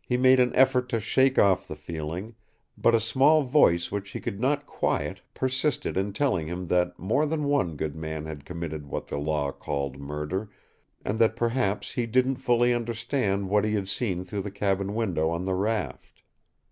He made an effort to shake off the feeling, but a small voice which he could not quiet persisted in telling him that more than one good man had committed what the law called murder, and that perhaps he didn't fully understand what he had seen through the cabin window on the raft.